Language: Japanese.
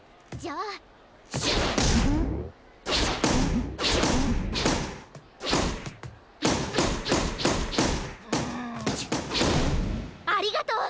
ありがとう！